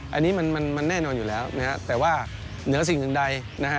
อันนี้มันแน่นอนอยู่แล้วแต่ว่าเหนือสิ่งตัวใด